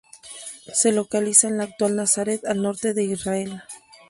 Se localiza en la actual Nazaret al norte de Israel.